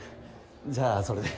じゃあそれで。